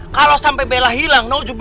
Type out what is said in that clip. kalau sampai bella hilang